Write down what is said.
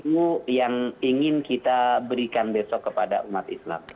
itu yang ingin kita berikan besok kepada umat islam